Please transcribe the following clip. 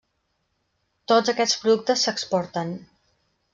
Tots aquests productes s'exporten.